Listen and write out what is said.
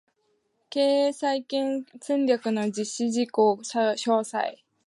経営再建戦略の実施事項詳細